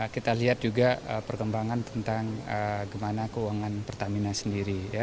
kita lihat juga perkembangan tentang bagaimana keuangan pertamina sendiri